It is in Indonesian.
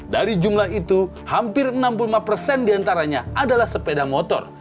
dari jumlah itu hampir enam puluh lima persen diantaranya adalah sepeda motor